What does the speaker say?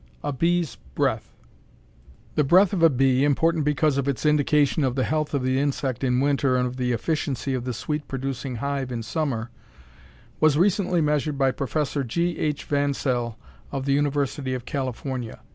A BEE'S BREATH The breath of a bee, important because of its indication of the health of the insect in winter and of the efficiency of the sweet producing hive in summer, was recently measured by Prof. G. H. Vansell of the University of California.